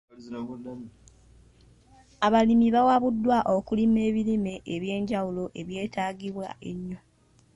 Abalimi bawabuddwa okulima ebirime eby'enjawulo ebyetaagibwa ennyo.